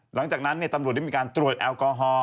หลังจากนั้นเนี่ยตำรวจนี่มีการตรวจแอลกอฮอล์